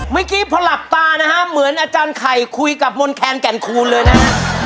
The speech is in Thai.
เมื่อกี้พอหลับตานะฮะเหมือนอาจารย์ไข่คุยกับมนแคนแก่นคูณเลยนะฮะ